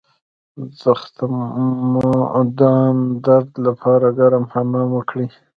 د تخمدان د درد لپاره ګرم حمام وکړئ